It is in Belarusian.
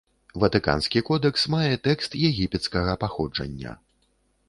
Ватыканскі кодэкс мае тэкст егіпецкага паходжання.